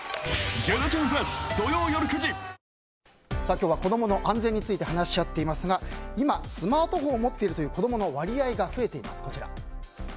今日は子供の安全について話し合っていますが今、スマートフォンを持っているという子供の割合が増えています。